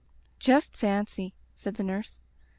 "Just fancy!" said the nurse.